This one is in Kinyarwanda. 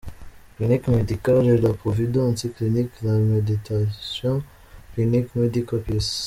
Clinique Médicale la Providence, Clinique la Bénédiction, Clinique Medicale Peace.